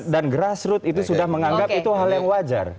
dan grassroots itu sudah menganggap itu hal yang wajar